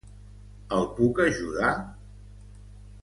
El puc ajudar?